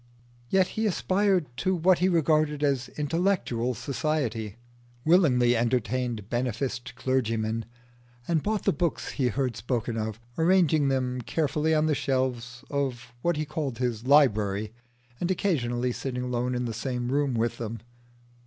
Yet he aspired to what he regarded as intellectual society, willingly entertained beneficed clergymen, and bought the books he heard spoken of, arranging them carefully on the shelves of what he called his library, and occasionally sitting alone in the same room with them.